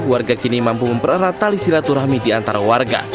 warga kini mampu mempererat tali silaturahmi di antara warga